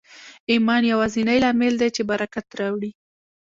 ایمان یوازېنی لامل دی چې برکت راوړي